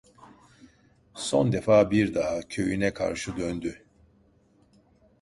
Son defa bir daha, köyüne karşı döndü.